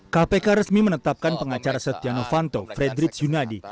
kpk resmi menetapkan pengacara setinovanto frederick yunadi